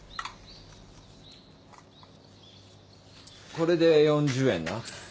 これで４０円な。